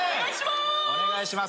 お願いします。